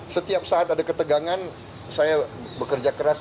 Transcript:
setiap saat ada ketegangan saya bekerja keras